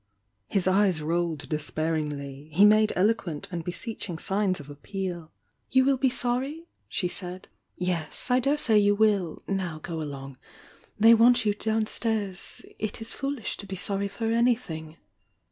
His eyes rolled despairingly, — he made eloquent and beseeching signs of appeal. THE YOUNG DIANA 811 'Tou will be sorry?" she said. "Yes— I daresay you wUU Now ko along, — they want you down stairs. It is foolish to be sorry for anything."